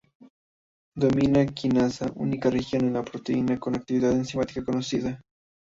Dominio quinasa: única región de la proteína con actividad enzimática conocida.